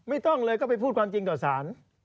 ไม่ต้องเลยก็ไปพูดความจริงต่อสาร